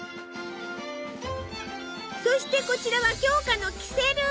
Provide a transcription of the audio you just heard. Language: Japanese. そしてこちらは鏡花のキセル。